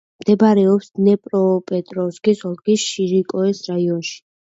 მდებარეობს დნეპროპეტროვსკის ოლქის შიროკოეს რაიონში.